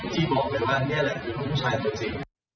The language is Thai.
ที่บอกว่านี่แหละคือมันผู้ชายตัวสิ